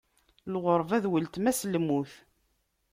Lɣeṛba d ultma-s n lmut.